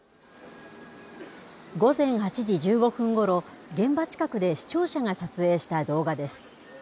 午前８時１５分ごろ、現場近くで視聴者が撮影した動画です。